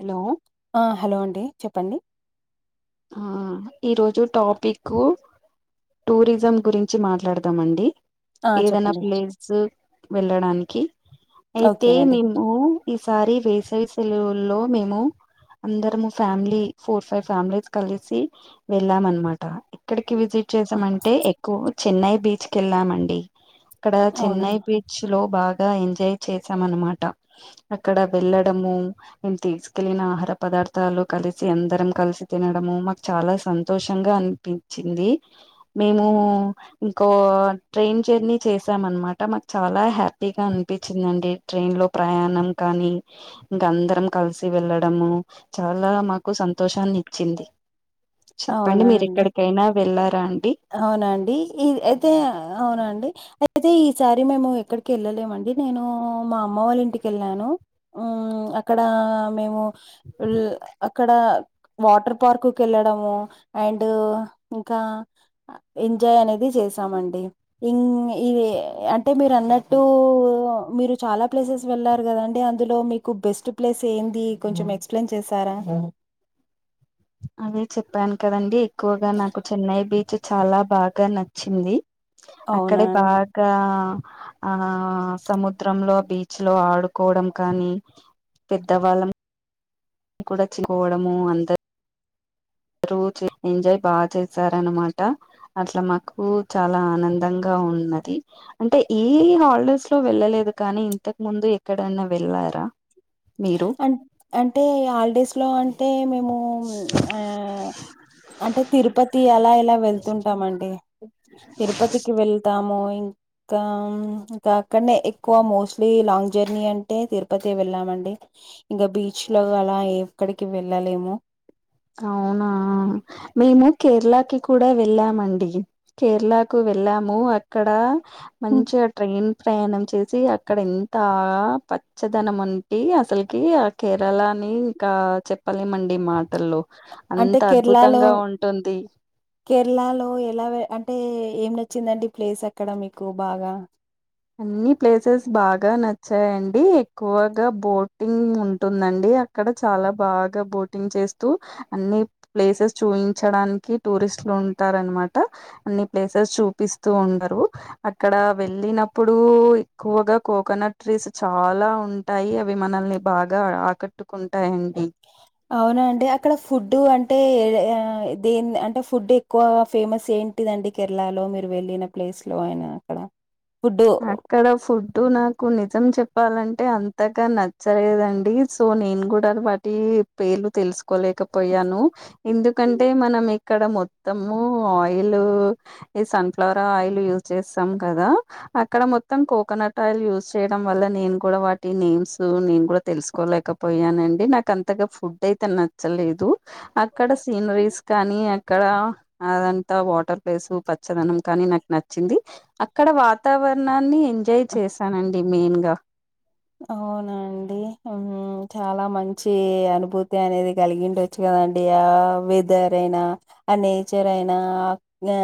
Hello ఆ hello అండి చెప్పండి ఆ ఈరోజు టాపిక్ టూరిజం గురించి మాట్లాడదాం అండి ఆ! ఏదైనా చెప్పండి. ప్లేస్ వెళ్ళడానికి అయితే ఓకేనండి. మేము ఈసారి వేసవి సెలవులో మేము అందరం ఫ్యామిలీ ఫోర్ ఫైవ్ ఫ్యామిలీస్ కలిసి వెళ్ళాం ఆన్నమాట ఎక్కడికి విజిట్ చేసామంటే ఎక్కువ చెన్నై బీచ్ కెళ్ళామండి అక్కడ అవునా! చెన్నై బీచ్ లో బాగా ఎంజాయ్ చేసాం అనమాట అక్కడ వెళ్ళడము నేను తీసుకెళ్లిన ఆహార పదా ర్థాలు కలిసి అందరం కలిసి తినడము మాకు చాలా సంతోషంగా అనిపించింది మేము ఇంకో ట్రైన్ జర్నీ చేశాం అనమాట మాకు చాలా హ్యాపీగా అనిపించిందండి. ట్రైన్ లో ప్రయాణం నం కానీ ఇంక అందరం కలిసి వెళ్ళడము చాలా మాకు సంతోషాన్ని ఇ చ్చింది చెప్పండి మీరు ఎక్కడికైనా వెళ్ళారా అండి అవునండి ఈ అయితే అవునండి అయితే ఈసారి మేము ఎక్కడికి వెళ్ళలేమండి నేను మా అమ్మ వాళ్ళ ఇంటికి ఏళ్ళాను అక్కడ ఆ మేము అక్కడ వాటర్ పార్క్కు వెళ్ళడం ఆ అండ్ ఇంకా ఎంజాయ్ అనేది చేసామండి ఇం ఇది అంటే మీరు అన్నట్టు మీరు చాలా ప్లేసెస్ వెళ్లారు కదండి అందులో మీ మీకు బెస్ట్ ప్లేస్ ఏంది కొంచెం ఎక్స్ప్లెయిన్ చేస్తారా అదే చెప్పాను కదండి ఎక్కువగా నాకు చెన్నై బీచ్ చాలా బాగా నచ్చింది అక్కడే అవునా! బాగా ఆ సముద్రంలో బీచ్ లో ఆడుకోవడం కానీ పెద్దవాళ్ళం కూడా చికోవడము అందరు రూ చ ఎంజాయ్ బాగా చేసారూ అన్నమాట అట్లా మాకు చాలా ఆనందంగా ఉన్నది అంటే ఇ హాలిడేస్ లో వెళ్ళలేదు కానీ ఇంతకు ముందు ఎక్కడైనా వెళ్లారా అం అంటే హాలిడేస్ లో అంటే మేము ఆ అంటే తిరుపతి ఆలా ఇలా వెళ్తుంటాము అండి తిరుపతికి వెళ్తాము ఇంకా ఇంకా అక్కడనే ఎక్కువ మోస్ట్లీ లాంగ్ జర్నీ అంటే తిరుపతే వెళ్ళామండి ఇంకా బీచ్ లో అలా ఎక్కడికి వెళ్ళలేము అవునా మేము కేరళకి కూడా వెళ్ళామండి కేరళకు వె వెళ్ళాము అక్కడ మంచిగా ట్రైన్ ప్రయాణం చేసి అక్క ఎంత పచ్చదనం అంటే అసలకి ఆ కేరళ అని ఇంకా చెప్పలేమండి ఈ మాటల్లో అంటే అంత కేరళలో అద్భుతంగా ఉంటుంది కేరళలో ఎలా వే అంటే ఏం చిందండి ప్లేస్ అక్కడ మీకు బాగా అన్ని ప్లేసెస్ బాగా నచ్చాయండి ఎక్కువగా బోటింగ్ ఉంటుందండి అక్కడ చాలా బాగా బోటింగ్ చేస్తూ అన్ని ప్లేసెస్ చూయించడానికి టూరిస్ట్ టారు అన మాట అన్ని ప్లేసేస్ చూపిస్తూ ఉండరు అక్కడ వెల్లిన ఇప్పుడు ఎక్కువగా కోకోనట్ ట్రీస్ చాలా ఉంటాయి అవి మనల్ని బాగా ఆక పట్టుకుంటాయండి అవునా అండి అక్కడ ఫుడ్డు అంటే ఏ దేన్ అంటే ఫుడ్ ఎక్కువ ఫేమస్ స్ ఏంటిదండి కేరళలో మీరు వెళ్ళిన ప్లేస్ లో అయన అక్కడ ఫుడ్ అక్కడ ఫుడ్ నాకు నిజం చెప్పాలంటే అంతగా నచ్చలేదండి సో నేను కూడా వాటి పేర్లు తెలుసుకో లేకపోయాను ఎందుకంటే మనం ఇక్కడ మొత్తము యిల్ ఈ సన్ఫ్లవర్ ఆయిల్ యూజ్ చేస్తాం కదా అక్కడ మొత్తం కోకోనట్ ఆయిల్ యూజ్ చేయడం వల్ల నేను కూడా వాటి నేమ్స్ నేను కూడా తెలుసుకోలేక పోయానండి నాకు అంతగా ఫుడ్ అయితే నచ్చలేదు అక్కడ సీనరీస్ కానీ అక్కడ అదంతా వాటర్ ప్లేస్ పచ్చదనం కానీ నాకు నచ్చింది అక్కడ వా వాతావరణాన్ని ఎంజాయ్ చేశానండి మెయిన్గా అవునా అండి హు హమ్ చాలా మంచి అనుభూతి అనేది కలిగిండచ్చు కా అండి ఆ వెదర్ అయినా ఆ నేచర్ అయినా ఆ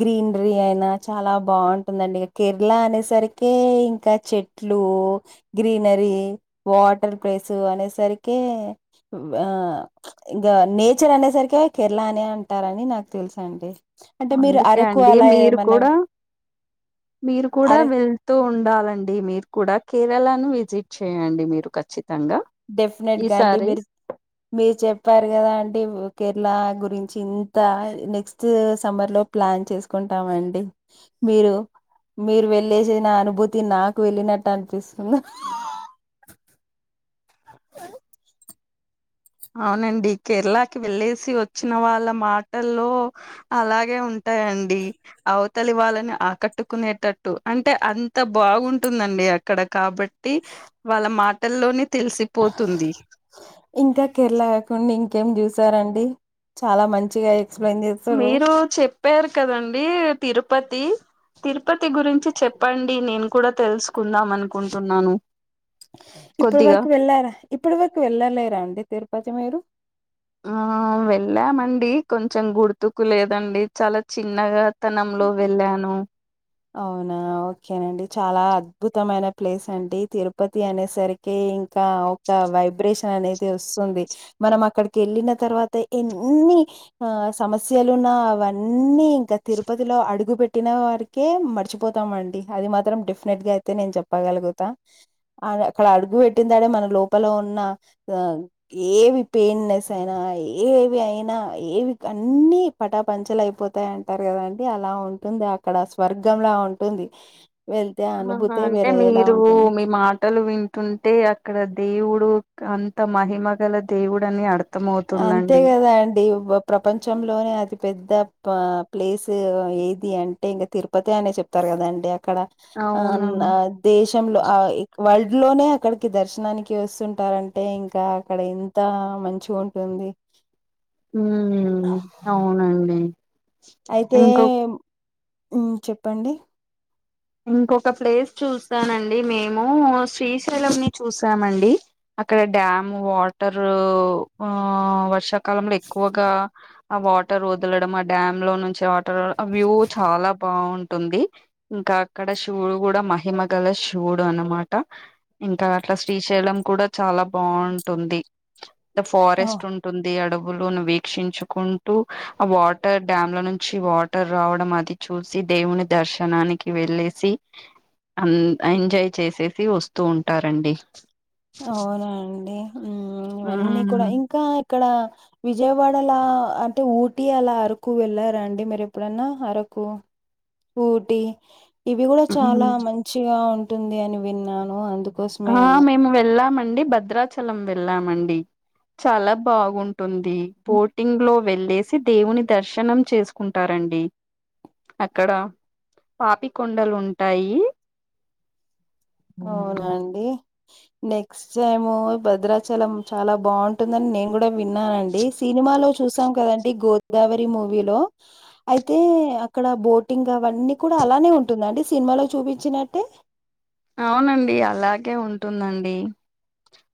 గ్రీనరీ అయినా చాలా బాగుంటుందండి ఇక కేరళ అనేసరికి ఇంకా చెట్లు గ్రీనరీ వాటర్ ప్లేస్ అనే సరికే ఆ ఇంకా నేచర్ అనేసరికే కేరళ అనే అంటారని నాకు తెలుసు అండి అందుకే అండి మీరు కూడా మీరు కూడా అర వెళ్తూ ఉం ఉండాలండి మీరు కూడా కేరళను విజిట్ చేయండి మీరు ఖచ్చిత డెఫ్ నెట్గా అండి మీరు మీరు చెప్పారు కదా అండి కేరళ గురించి చింత నెక్స్ట్ సమ్మర్ లో ప్లాన్ చేసుకుంటామండి మీరు మీరు వెళ్ళేసి నా అనుభూతి నాకు వెళ్ళినట్టు అనిపిస్తుంది అవునండి కేరళకి వెళ్ళేసి వచ్చిన వాళ్ళ మాటల్లో అలాగే ఉంటా యండి అవతలి వాళ్ళని ఆకట్టుకునేటట్టు అంటే అంత బాగుంటుందండి అక్కడ కాబట్టి వాళ్ళ మాటల్లోనే తెలిసిపోతుంది కేరళా కాకుండా ఇంకేం చూసారండి చాలా మంచిగా ఎక్స్ప్లెయిన్ చేస్తారు మీరు చెప్పారు కదండి తిరుపతి తిరుపతి గురించి చెప్పండి నేను కూడా తెలుసుకుందాం అనుకుంటున్నాను ఇప్పటి కొద్దిగా వరకు వెళ్ళారా ఇప్పటి వరకు వెళ్ళలేరా అండి తిరుపతి మీరు ఆ వెళ్ళామండి కొంచెం గుర్తుకు లేదండి చాలా చిన్నగా తనంలో వెళ్ళాను అవునా ఓకేనండి చాలా అద్భుతమైన ప్లేస్ అండి తిరుపతి అనేసరికి ఇంకా ఒక వైబ్రేషన్ అనేది వస్తుంది మనం అక్కడికి వెళ్ళిన తర్వాత ఎన్ని న్ని ఆ సమస్యలున్నా అవన్నీ ఇంకా తిరుపతిలో అడుగు పెట్టిన వారికి కే మర్చిపోతామ అండి అది మాత్రం డెఫినెట్ గా అయితే నేను చెప్పగలుగుతా ఆడ అక్కడ అడుగు బెట్టిన తడ మన లోపల ఉన్న ఆ ఏవి పెయిన్నెస్ అయినా ఏవి అయినా ఏవి క అన్నీ పటాపంచలు అయిపోతాయి అంటారు కదా అండి అలా ఉం వుంది అక్కడ స్వర్గంలా ఉంటుంది వెళ్తే ఆ ఆహా అనుభూతే అంటే వేరేలా మీరు ఉంటుంది మీ మాటలు వింటుంటే అక్కడ దేవు డు అంత మహిమగల దేవుడని అర్ ఆంతే గదా అండి ప్రపంచంలోనే అతి పెద్ద ప ప్లేసు ఏది అంటే ఇంగ తిరుపతె అనే చెప్తారు గదాండె అక్కడ అన్ అవును ఆ దేశ్ లో ఆయ్ వరల్డో నే అక్కడికి దర్శనానికి వస్తుంటారంటే ఇంకా అక్కడ ఎంతా మంచిగుంటుంది ఊమ్ అవునండి ఇంకొ అయితేమ్ ఉమ్ చెప్పండి ఇంకొక ప్లేస్ చూసానండి మేము శ్రీశైలం ని చూసామండి అక్కడ డ్యామూ వాటరూ ఊ వర్ష కాలంలో ఎక్కువగా ఆ వాటర్ వదలడం ఆ డ్యామ్ లో నుంచి వ టర్ ఆ వ్యువ్వు చాలా బాగుంటుంది ఇంకా అక్కడ శివుడు గూడా మహిమ గల శవుడు అనమాట ఇంకా అట్ల శ్రీశైలం కూడా చా లా బాంటుంది అంటె ఆ ఫారెస్ట్ ఉంటుంది అడు వులును వీక్షించుకుంటూ ఆ వాటర్ డ్యామ్ల నుంచి వాటర్ రావడం అది చూసి దేవుని దర్శనానికి వెళ్ళే సి అండ్ ఎంజాయ్ చేసేసి వస్తూ ఉంటారండి అవునాండి ఇవన్నీ కూడా మ్మ్ ఇంకా ఇక్కడ విజయవాడలా అంటే ఊటీ అలా అరుకు వెళ్ళారండి మీరు ఎప్పుడన్నా అరక్ కు ఊటి ఇవి గూడా చాలా మంచిగా ఉంటుంది అని విన్నాను అందు అహా మేము వెళ్ళామండి భద్రాచలం వెళ్ళామండి చాలా బాగుం టుంది ఉమ్, పోటింగ్ లో వెళ్ళేసి దేవుని దర్శనం చేసుకుంటారండి అక్కడ పాపి కొండలు ఉంటాయి అవునా అండి నెక్స్ట్ ఏమో భద్రాచలం చాలా బాంటుందని నేన్ గుడా విన్నానండి సీనిమాలో చు చూసాం కదండి గోదావరి మూవీలో అయితే అక్కడ బోటింగ్ అవన్నీ కుడ అలానే ఉంటుందండి సినిమాలో చూపిచ్చినట్టే అవునండి అలాగే ఉంటుందండి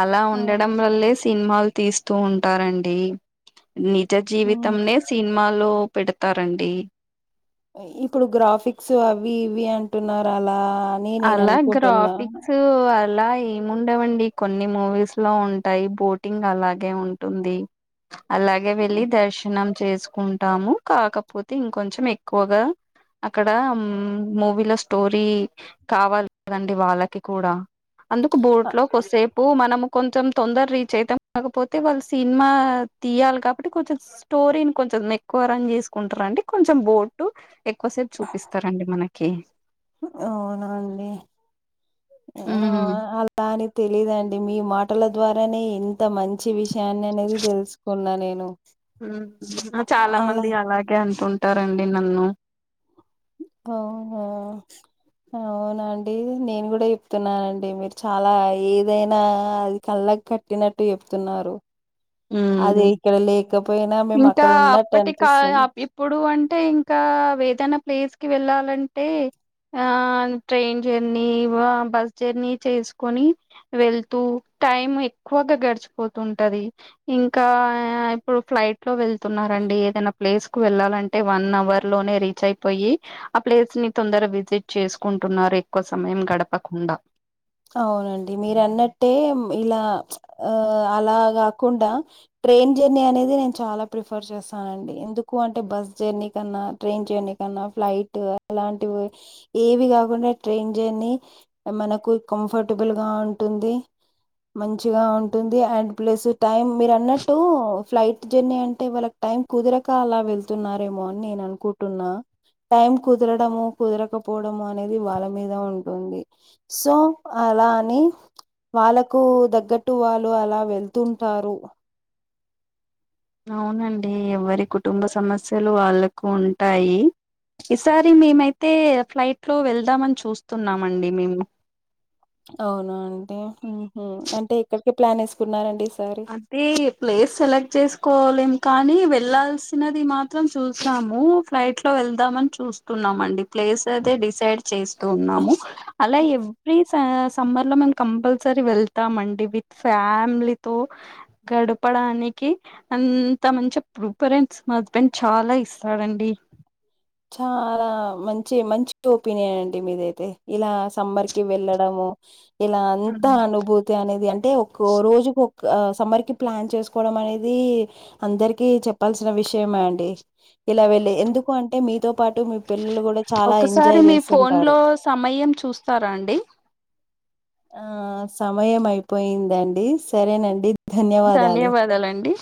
అలా ఆ ఉండడం వ్రల్లే సిన్మాల్ తీస్తూ ఉంటారండి నిజ హ్మ్ జీవితంనే సిన్ మాలో పెడతారండి ఇప్పుడు గ్రాఫిక్సు అవి ఇవి అంటున్నారు అలా అని నేను అలా అనుకుంటున్నా గ్రాఫిక్సూ అ అలా ఏముండవండి కొన్ని మూవీస్ లో ఉంటాయి బోటింగ్ అలాగే ఉంటుంది అలాగే వెళ్ళి దర్శనం చేసుకుంటాము కాకపోతే ఇంకొంచెం ఎక్కువగా అక్కడామ్ మూవీలో స్టోరీ కావాలి కదండి వాళ్ళకి కూడా అందుకు బోట్ అ- లో కొస్సేపు మనము కొంచెం తొందర్ రీచ్ అయితాం కాకపోతే వాళ్ళ్ సినిమా తీయాలి కాబట్టి కొంచెం స్టోరీన్ కొ చెం ఎక్కువ రన్ జేసుకుంటారండి కొంచెం బోటు ఎక్కువసేపు చూపిస్తారండి మనకి ని ఉమ్ అలాని తెలీదండి మీ మాటల ద్వారానే ఇంత మంచి విషయాన్ని అనేది తెలుసుకున్నా నేను అ- చాలా అలా మంది అలాగే అంటుంటారండి నన్ను ఓ ఓ అవునండి నేను గూడ చెప్తున్నానండి మీరు చాలా ఏదైనా అది కట్టినట్టు చెప్తున్నారు అదే ఇక్కడ లేకపోయినా మేము ఇంకా అక్కడ ఉన్నట్టు అప్పటి కా అనిపిస్తుంది ఇప్పుడు అంటే ఇం కా వేదనా ప్లేస్ కి వెళ్ళాలంటే ఆ ట్రైన్ జర్నీ వ బస్ జర్నీ చేసుకొని వెళ్తూ టైమ్ ఎక్కువగా గడిచిపోతుంటది ఇంకా ఇప్పుడు ఫ్లైట్ లో వెళ్తున్నరండి ఏదన ప్లేస్ వెళ్ళాలంటే వన్ అవర్ లోనే రీచ్ అయిపొయి ఆ ప్లేస్ ని తొందర విజిట్ చేసుకుంటున్నారు ఎక్కువ సమయం గడపకుండా అవునండి మీరు అన్నట్టే ఇలా ఆ అలా గాకుండా ట్రైన్ జర్నీ అనేది నేను చాలా ప్రిఫర్ చేస్తానండి ఎందుకు అంటే బస్ జర్నీ కన్నా ట్రైన్ జర్నీ ఫ్లైట్ అలాంటివి ఏవి కాకుండా ట్రైన్ జర్నీ మనకు కంఫర్టబుల్ గా ఉంటుంది మంచిగా ఉంటుంది అండ్ ప్లస్ టైమ్ మీరన్నట్టు ఫ్లైట్ జర్నీ అంటే వాళ్ళక్ టైం కుదరక అలా వెళ్తున్నారేమో అని నేను అనుకుటున్నా టైం కుదరడము కుదరకపోవడము అనేది వాళ్ళ మీద ఉంటుంది సో అలా అని వాళ్ళకు దగ్గట్టు వాళ్ళు అలా వెళ్తుంటారు అవునండి ఎవరి కుటుంబ సమస్యలు వాళ్ళకు ఉంటాయి ఈసారి మేమైతే ఫ్లైట్ లో వెళ్దామని చూస్తున్నామండి మేము అవునా అండి ఊహు అంటే ఎక్కడికి ప్లాన్ వేసుకున్నారండి ఈసారి అదే ప్లేస్ సెలెక్ట్ చేసుకోవాలిం కానీ వెళ్లాల్సినది మాత్రం చూసాము ఫ్లైట్ లో వెళ్దామని చూస్తున్నామండి ప్లేస్ అయితే డిసైడ్ చేస్తూ ఉన్నాము అలా ఎవ్రీ స సమ్మర్ లో మేం కంపల్సరీ వెళ్తామండి విత్ ఫ్యామిలీ గడపడానికి అంత మంచి ప్రిపరెన్స్ మా హస్బెండ్ చాలా ఇస్తాడండి [inaudible] చాలా మంచి మంచి టూపీనే అండి మీదైతే ఇలా సమ్మర్ కి వెళ్ళడము ఇలా అంత అనుభూతి అనేది అంటే ఒక్కో రోజుకు సమ్మర్ కి ప్లాన్ చేసుకోవడం అనేది అందరికి చెప్పాల్సిన విషయమే అండి ఇలా వెళ్ళి ఎందుకు అంటే మీ పాటు పిల్లలు గూడా చాలా ఒకసారి ఎంజాయ్ మీ ఫోన్ చేస్తుంటారు. లో సమయం చూస్తారా అండి ఆ సమయం అయిపోయిందండి సరేనండి ధన్యవాదాలు. ధన్యవాదాలండి